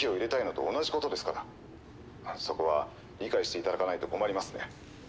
そこは理解して頂かないと困りますね。